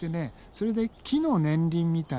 それで木の年輪みたいにさ。